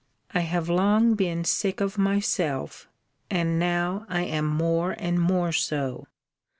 I have long been sick of myself: and now I am more and more so.